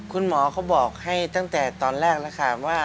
คุณหมอเขาบอกให้ตั้งแต่ตอนแรกแล้วค่ะว่า